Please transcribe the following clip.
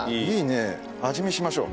味見しましょう。